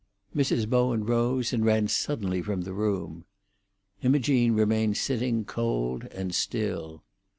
Mrs. Bowen rose and ran suddenly from the room. Imogene remained sitting cold and still.